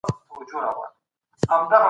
د محتوا له مخي څېړنه بیلابیل ډولونه لري.